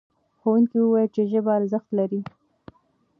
ښوونکي وویل چې ژبه ارزښت لري.